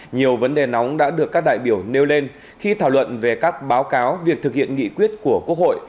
nhiều vấn đề nóng đã được các đại biểu nêu lên khi thảo luận về các báo cáo việc thực hiện nghị quyết của quốc hội